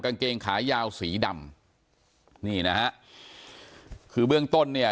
กางเกงขายาวสีดำนี่นะฮะคือเบื้องต้นเนี่ย